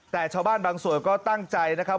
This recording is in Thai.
แต่ชาวบ้านบางส่วนก็ตั้งใจนะครับ